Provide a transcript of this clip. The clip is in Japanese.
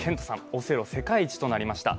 オセロ世界一となりました。